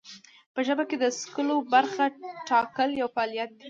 په ژبه کې د څکلو برخو ټاکل یو فعالیت دی.